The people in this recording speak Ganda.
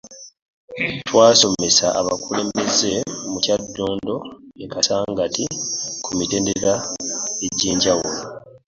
Twasomesa abakulembeze mu Kyaddondo e Kasangati ku mitendera egy'enjawulo